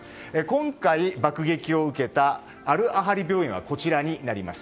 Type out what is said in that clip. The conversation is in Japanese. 今回、爆撃を受けたアル・アハリ病院はこちらです。